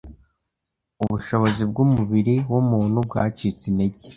Ubushobozi bw’umubiri w’umuntu bwacitse intege